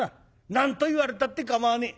「何と言われたってかまわねえ。